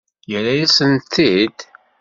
Yerra-yasent-t-id?